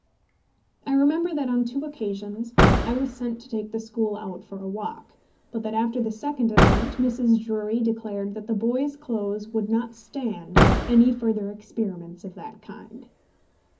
I remember that on two occasions I was sent to take the school out for a walk; but that after the second attempt Mrs. Drury declared that the boys' clothes would not stand any further experiments of that kind.